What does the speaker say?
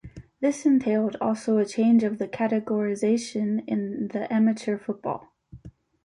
This entailed also a change of the categorization in the amateur football.